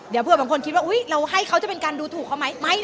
เดี๋ยวเผื่อบางคนคิดว่าเราให้เขาจะเป็นการดูถูกเขาไหม